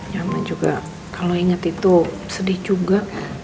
ya mak juga kalau inget itu sedih juga